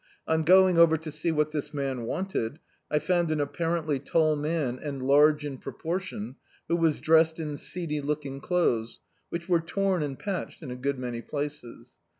On going over to see what this man wanted, I found an apparently tall man and large in proportion, who was dressed in seedy looking clothes, which were tom and patched in a good many places.